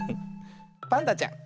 パンダちゃん